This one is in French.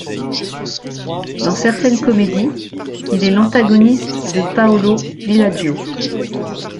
Dans certaines comédies, il est l'antagoniste de Paolo Villaggio.